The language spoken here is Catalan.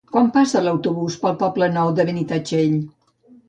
Quan passa l'autobús per el Poble Nou de Benitatxell?